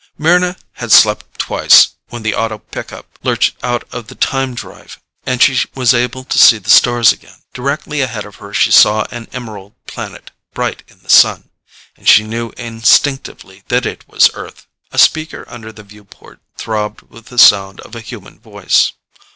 Mryna had slept twice when the auto pickup lurched out of the time drive and she was able to see the stars again. Directly ahead of her she saw an emerald planet, bright in the sun. And she knew instinctively that it was Earth. A speaker under the viewport throbbed with the sound of a human voice.